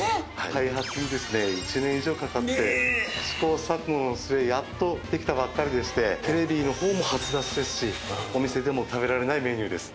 開発にですね１年以上かかって試行錯誤の末やっとできたばっかりでしてテレビの方も初出しですしお店でも食べられないメニューです。